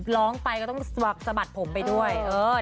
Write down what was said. ร้องไปก็ต้องสะบัดผมไปด้วย